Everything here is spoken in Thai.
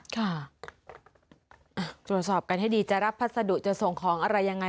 ตรวจสอบกันให้ดีจะรับพัสดุจะส่งของอะไรยังไง